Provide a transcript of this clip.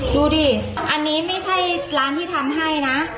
ดูดิอันนี้ไม่ใช่ร้านที่ทำให้นะ